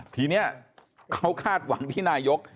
ทีนี้เขาคาดหวังที่นายก